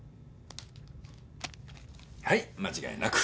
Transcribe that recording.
はい間違いなく。